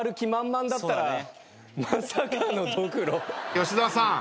吉沢さん